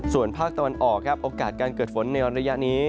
ส่วนภาคตะวันออกครับโอกาสการเกิดฝนในระยะนี้